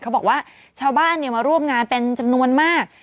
เขาบอกว่าชาวบ้านมาร่วมงานเป็นจำนวนมาก